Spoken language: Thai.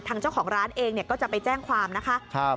ทางเจ้าของร้านเองเนี่ยก็จะไปแจ้งความนะคะ